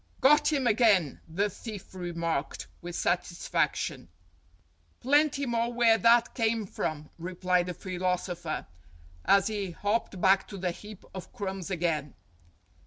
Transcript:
"Got him again," the thief remarked, with satisfaction. "Plenty more DOING GOOD 303 where that came from," replied the philosopher, as he hopped back to the heap of crumbs again.